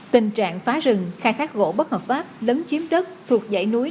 tình trạng phá rừng khai thác gỗ bất hợp pháp lấn chiếm đất thuộc dãy núi